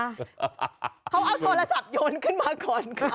เขาเอาโทรศัพท์โยนขึ้นมาก่อนค่ะ